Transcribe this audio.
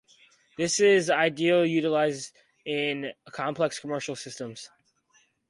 This is ideally utilized in complex commercial systems.